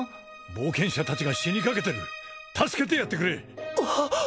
冒険者達が死にかけてる助けてやってくれ！